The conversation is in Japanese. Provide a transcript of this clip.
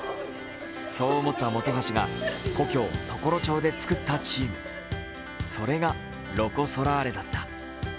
そう思った本橋が故郷・常呂町で作ったチーム、それがロコ・ソラーレだった。